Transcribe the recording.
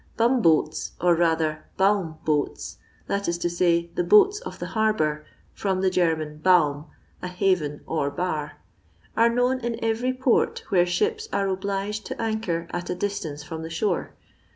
Bumboats (or rather ^a»m boats, that is to say, the boats of the harbour, from the German Baunif a haven or bar) are known in every port where ships are obliged to anchor at a distance from the shore.